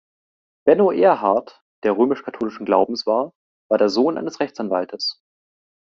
Benno Erhard, der römisch-katholischen Glaubens war, war der Sohn eines Rechtsanwaltes.